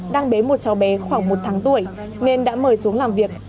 đang bế một cháu bé khoảng một tháng tuổi nên đã mời xuống làm việc